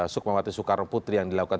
sukmawati soekarno putri yang dilakukan